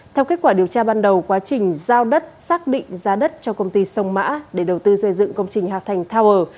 theo kết quả điều tra ban đầu quá trình giao đất xác định giá đất cho công ty sông mã để đầu tư xây dựng công trình hạc thành tower